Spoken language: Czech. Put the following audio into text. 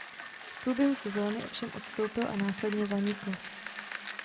V průběhu sezóny ovšem odstoupil a následně zanikl.